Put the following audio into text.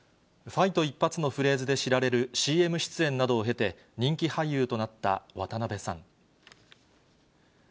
ファイト一発のフレーズで知られるＣＭ出演などを経て、人気俳優となった渡辺さん。